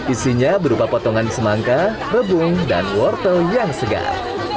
isinya berupa potongan semangka rebung dan wortel yang segar